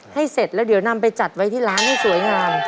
เสร็จแล้วเดี๋ยวนำไปจัดไว้ที่ร้านให้สวยงาม